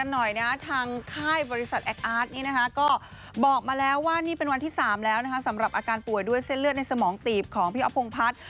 ในเส้นเลือดในสมองตีบของพี่อ๊อฟพงภัทร์